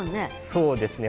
そうですね。